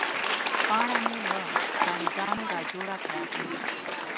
پاڼه مې له شاهدانو را جوړه کړه.